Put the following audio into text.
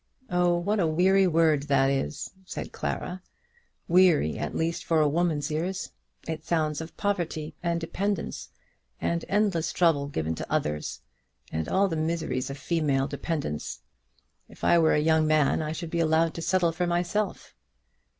"Oh, what a weary word that is," said Clara; "weary, at least, for a woman's ears! It sounds of poverty and dependence, and endless trouble given to others, and all the miseries of female dependence. If I were a young man I should be allowed to settle for myself."